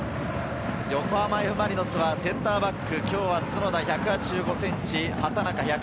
横浜Ｆ・マリノスはセンターバック、今日は角田、１８５ｃｍ。